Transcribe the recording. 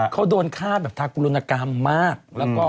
เขาโดนฆ่าแบบทากรุณกรรมมากแล้วก็